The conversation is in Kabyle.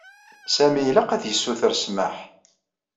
Sami ilaq ad yessuter ssmaḥ.